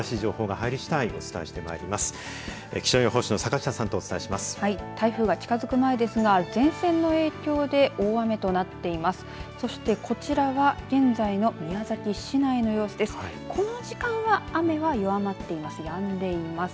台風が近づく前ですが前線の影響で大雨となっています。